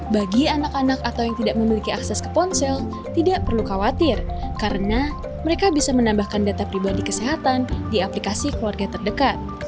bagi anak anak atau yang tidak memiliki akses ke ponsel tidak perlu khawatir karena mereka bisa menambahkan data pribadi kesehatan di aplikasi keluarga terdekat